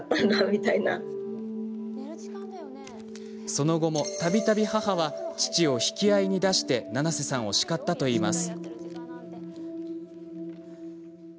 その後も、たびたび母は父を引き合いに出してななせさんを叱ったといいます。